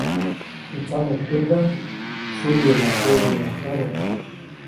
Teʼ samepändaʼm sunyidenaʼajk weweneyajpabä.